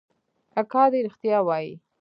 اکا دې ريښتيا وايي.